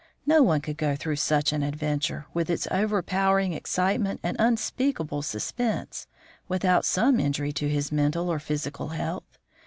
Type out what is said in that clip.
No one could go through such an adventure, with its overpowering excitement and unspeakable suspense, without some injury to his mental or physical health.